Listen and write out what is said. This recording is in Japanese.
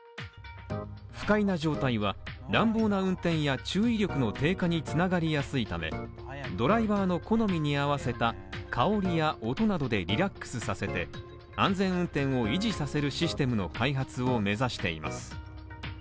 不快な状態は、乱暴な運転や注意力の低下に繋がりやすいため、ドライバーの好みに合わせた香りや音などでリラックスさせて、安全運転を維持させるシステムの開発を目指しています。